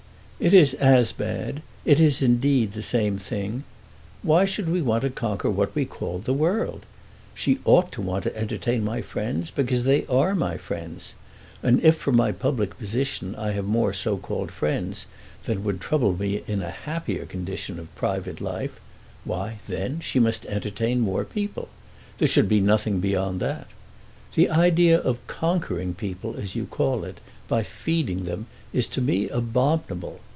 "It is as bad. It is, indeed, the same thing. Why should she want to conquer what we call the world? She ought to want to entertain my friends because they are my friends; and if from my public position I have more so called friends than would trouble me in a happier condition of private life, why, then, she must entertain more people. There should be nothing beyond that. The idea of conquering people, as you call it, by feeding them, is to me abominable.